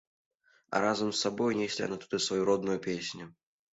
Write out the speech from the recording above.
А разам з сабой неслі яны туды сваю родную песню.